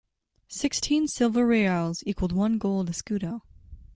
Sixteen silver reales equalled one gold escudo.